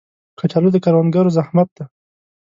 کچالو د کروندګرو زحمت دی